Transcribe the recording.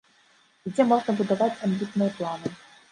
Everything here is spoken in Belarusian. І дзе можна будаваць амбітныя планы.